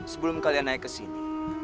sebelum kalian naik ke sini